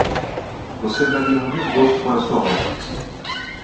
Você daria um desgosto para sua mãe.